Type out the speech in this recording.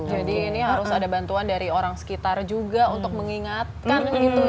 jadi ini harus ada bantuan dari orang sekitar juga untuk mengingatkan gitu ya